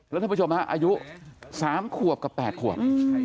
แล้วท่านผู้ชมฮะอายุ๓ขวบกับ๘ขวบ